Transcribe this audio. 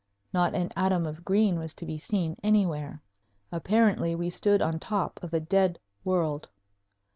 Not an atom of green was to be seen anywhere. Apparently we stood on top of a dead world.